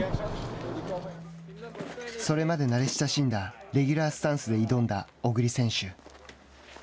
それまでなれ親しんだレギュラースタンスで挑んだ小栗選手。